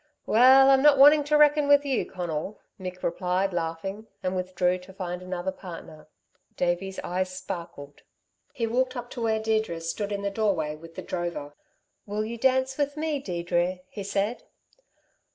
"Well, I'm not wanting to reck'n with you, Conal," Mick replied, laughing, and withdrew to find another partner. Davey's eyes sparkled. He walked up to where Deirdre stood in the doorway with the drover. "Will you dance with me, Deirdre?" he said.